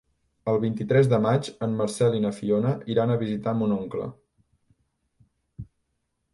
El vint-i-tres de maig en Marcel i na Fiona iran a visitar mon oncle.